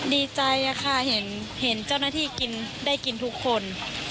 ดีใจค่ะเห็นเจ้าหน้าที่กินได้กินทุกคน